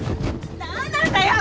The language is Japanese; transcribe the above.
何なんだよ！？